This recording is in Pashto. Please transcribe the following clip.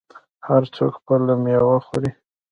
هر څوک خپله میوه خوري.